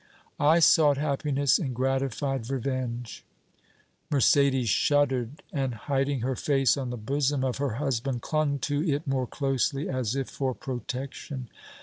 I sought happiness in gratified revenge!" Mercédès shuddered, and, hiding her face on the bosom of her husband, clung to it more closely as if for protection.